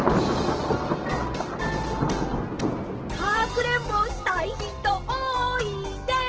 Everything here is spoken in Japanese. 「かくれんぼしたい人おいで」